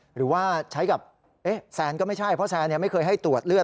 หรือว่าใช้กับแซนก็ไม่ใช่เพราะแซนไม่เคยให้ตรวจเลือด